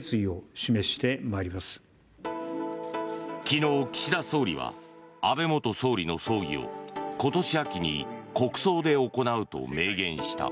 昨日、岸田総理は安倍元総理の葬儀を今年秋に国葬で行うと明言した。